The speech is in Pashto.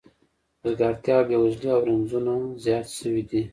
وزګارتیا او بې وزلي او رنځونه زیات شوي دي